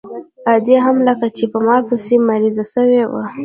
ادې هم لکه چې په ما پسې مريضه سوې وه.